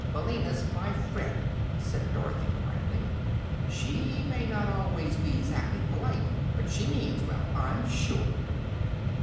"Billina's my friend," said Dorothy quietly. "She may not always be 'zactly polite; but she MEANS well, I'm sure."